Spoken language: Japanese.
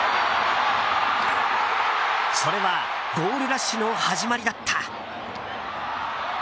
それはゴールラッシュの始まりだった。